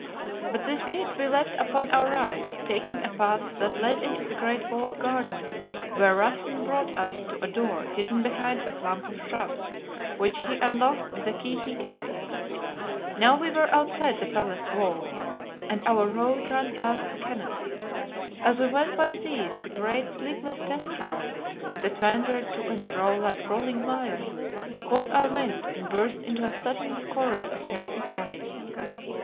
But this gate we left upon our right, taking a path that led into the great walled garden, where Rassen brought us to a door hidden behind a clump of shrubs, which he unlocked with a key he carried. Now we were outside the palace wall, and our road ran past the kennels. As we went by these, the great, sleepless death hounds, that wandered to and fro like prowling lions, caught our wind and burst into a sudden chorus of terrific bays.